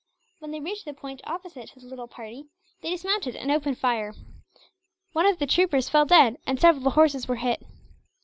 When they reached the point opposite to the little party, they dismounted and opened fire. One of the troopers fell dead, and several of the horses were hit.